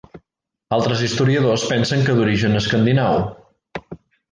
Altres historiadors pensen que d'origen escandinau.